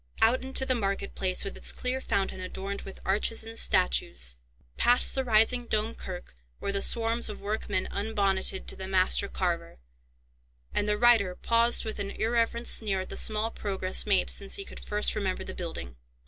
Out into the market place, with its clear fountain adorned with arches and statues, past the rising Dome Kirk, where the swarms of workmen unbonneted to the master carver, and the reiter paused with an irreverent sneer at the small progress made since he could first remember the building.